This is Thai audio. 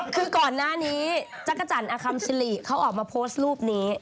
คือก่อนหน้านี้จักรจันทร์อคัมซิริเขาออกมาโพสต์รูปนี้